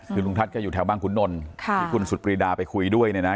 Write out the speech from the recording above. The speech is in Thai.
คือลุงทัศน์แกอยู่แถวบ้านขุนนลที่คุณสุดปรีดาไปคุยด้วยเนี่ยนะ